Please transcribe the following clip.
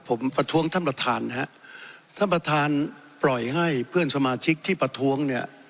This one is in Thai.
ผมประท้วงท่านประธานนะฮะท่านประธานปล่อยให้เพื่อนสมาชิกที่ประท้วงเนี่ย